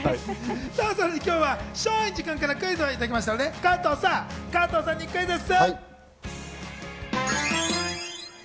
さらに今日は松陰寺君からクイズもいただきましたので、加藤さんにクイズッス！